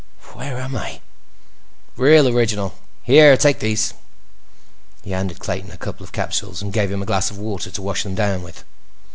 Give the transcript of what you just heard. "Where am I?" "Real original. Here, take these." He handed Clayton a couple of capsules, and gave him a glass of water to wash them down with.